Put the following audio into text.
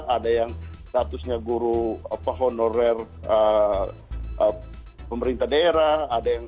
ada yang statusnya guru honorer pemerintah daerah